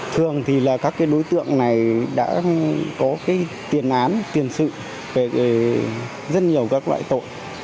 thường thì là các đối tượng này đã có tiền án tiền sự về rất nhiều các loại tội